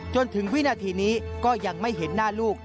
จนถึงวินาทีนี้ก็ยังไม่เห็นหน้าลูก